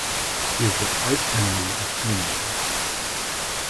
He is the archenemy of He-Man.